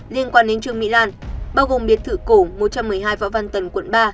liên quan đến trương mỹ lan bao gồm biệt thự cổ một trăm một mươi hai võ văn tần quận ba